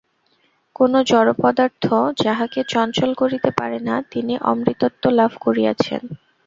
কোন জড় পদার্থ যাঁহাকে চঞ্চল করিতে পারে না, তিনি অমৃতত্ব লাভ করিয়াছেন।